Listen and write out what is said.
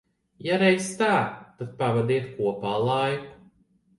Ja reiz tā, tad pavadiet kopā laiku.